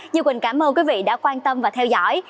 nhiều quýnh cảm ơn quý vị đã quan tâm và theo dõi